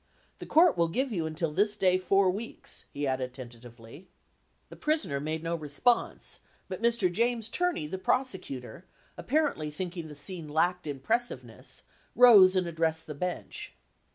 The Court will give you until this day four weeks," he added tentatively. The prisoner made no response, but Mr. James Turney, the prosecutor, apparently thinking the scene lacked impressiveness, rose and addressed the bench.